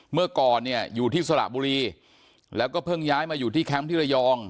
เมื่อก่อนเนี่ยอยู่ที่สระบุรีแล้วก็เพิ่งย้ายมาอยู่ที่แคมป์ที่ระยอง